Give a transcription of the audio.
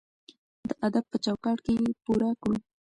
د ادب په چوکاټ کې یې پوره کړو.